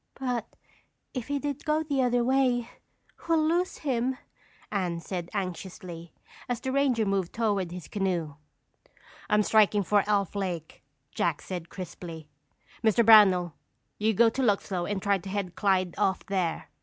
"But if he did go the other way, we'll lose him," Anne said anxiously, as the ranger moved toward his canoe. "I'm striking for Elf Lake," Jack said crisply. "Mr. Brownell, you go to Luxlow and try to head Clyde off there.